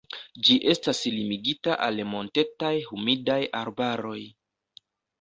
Ĝi estas limigita al montetaj humidaj arbaroj.